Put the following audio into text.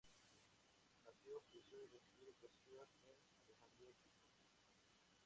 Nació, creció y recibió educación en Alejandría, Egipto.